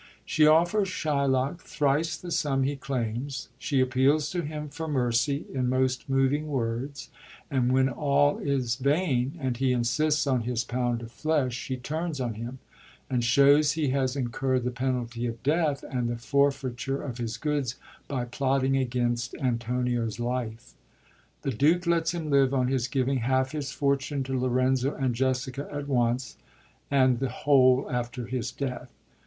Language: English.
She offers Shylock thrice the sum he claims ; she appeals to him for mercy in most moving words ; and when all is vain, and he insists on his pound of flesh, she turns on him, and shows he has incurd the penalty of death and the forfeiture of his goods by plotting against Antonio's life. The Duke lets him live on his giving half his fortune to Lorenzo and Jessica at once, and the whole after his death.